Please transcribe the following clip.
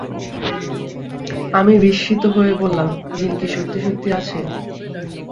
আমি বিস্মিত হয়ে বললাম, জিন কি সত্যি-সত্যি আছে?